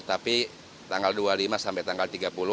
tapi tanggal dua puluh lima sampai tanggal tiga puluh